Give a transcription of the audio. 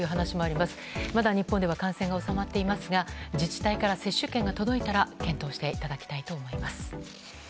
まだ日本では感染が収まっていますが自治体から接種券が届いたら検討していただきたいと思います。